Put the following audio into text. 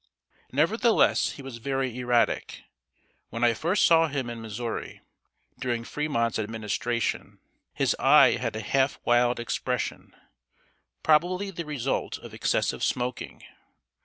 Nevertheless, he was very erratic. When I first saw him in Missouri, during Fremont's administration, his eye had a half wild expression, probably the result of excessive smoking.